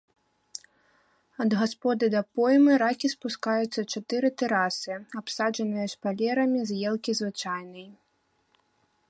Ад гасподы да поймы ракі спускаюцца чатыры тэрасы, абсаджаныя шпалерамі з елкі звычайнай.